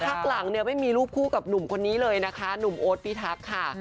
พักหลังเนี่ยไม่มีรูปคู่กับหนุ่มคนนี้เลยนะคะหนุ่มโอ๊ตพิทักษ์ค่ะ